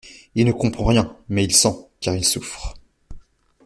Il ne comprend rien ; mais il sent, car il souffre.